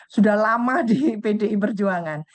sudah lama di pdi perjuangan